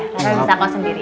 rara bisa kok sendiri